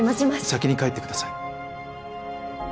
先に帰ってください。